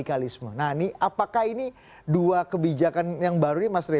kraux menaruh politik hanya atau yang paling ters bleach